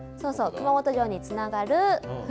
熊本城につながる。